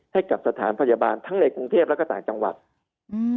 ให้กับสถานพยาบาลทั้งในกรุงเทพแล้วก็ต่างจังหวัดอืม